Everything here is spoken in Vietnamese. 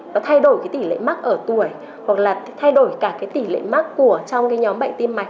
nó thay đổi tỷ lệ mắc ở tuổi hoặc là thay đổi cả tỷ lệ mắc của trong nhóm bệnh tim mạch